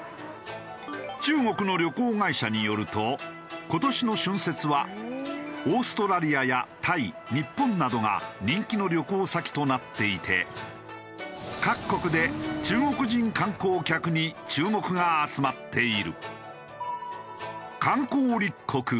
中国の旅行会社によると今年の春節はオーストラリアやタイ日本などが人気の旅行先となっていて各国で中国人観光客に注目が集まっている。